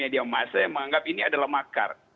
media masa yang menganggap ini adalah makar